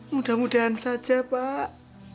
mudah mudahan saja pak